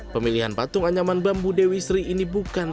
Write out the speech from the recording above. pemilihan patung anyaman bambu dewi sri ini bukan